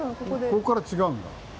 ここから違うんだ。